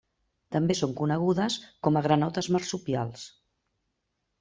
També són conegudes com a granotes marsupials.